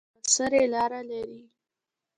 غر که هر څونده لوړ یی خو پر سر لاره لری